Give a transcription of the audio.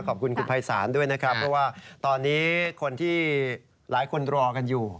ขอบคุณคุณภัยศาลด้วยนะครับเพราะว่าตอนนี้คนที่หลายคนรอกันอยู่